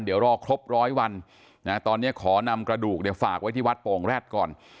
เดี๋ยวรอครบร้อยวันตอนนี้ขอนำกระดูกเนี่ยฝากไว้ที่วัดโป่งแร็ดก่อน